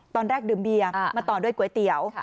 ตอนแรกดื่มเบียร์มาต่อด้วยก๋วยเตี๋ยว